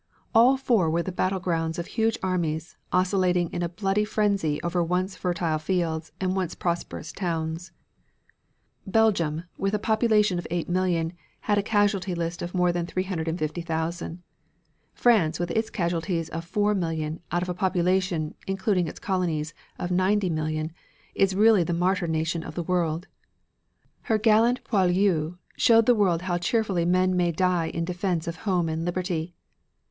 All four were the battle grounds of huge armies, oscillating in a bloody frenzy over once fertile fields and once prosperous towns. Belgium, with a population of 8,000,000, had a casualty list of more than 350,000; France, with its casualties of 4,000,000 out of a population (including its colonies) of 90,000,000, is really the martyr nation of the world. Her gallant poilus showed the world how cheerfully men may die in defense of home and liberty.